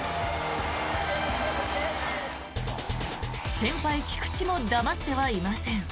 先輩・菊池も黙ってはいません。